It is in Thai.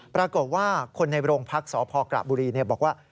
ปรากฏว่าคนในโรงพักษพกระบุรีบอกว่า